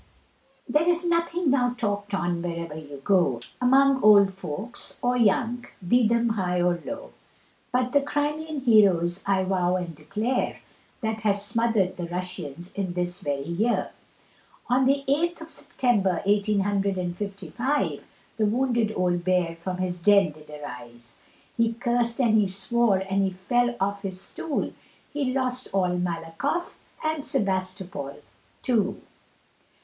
There is nothing now talked on wherever you go, Among old folks or young be them high or low, But the Crimean heroes I vow and declare, That has smothered the Russians in this very year, On the 8th of September, Eighteen hundred & fifty five The wounded old bear from his den did arise; He curs'd and he swore and he fell off his stool, He lost all Malakoff and Sebastopol too.